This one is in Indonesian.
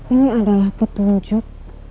ini adalah petunjuk